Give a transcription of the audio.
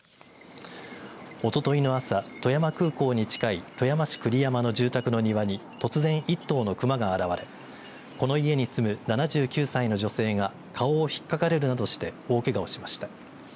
おとといの朝、富山空港に近い富山市栗山の住宅の庭に突然１頭のクマが現れこの家に住む７９歳の女性が顔をひっかかれるなどして大けがをしました。